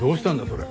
それ。